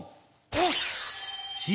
おっ。